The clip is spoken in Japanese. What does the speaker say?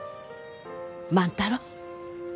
万太郎。